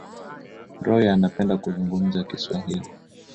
Roy anapenda kuzungumza kiswahili